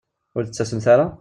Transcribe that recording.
Ur d-tettasemt ara?